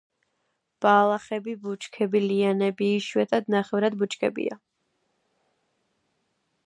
ბალახები ბუჩქები, ლიანები, იშვიათად ნახევრად ბუჩქებია.